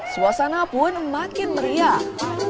suasana pun makin meriah